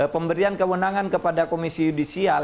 pemberian kewenangan kepada komisi yudisial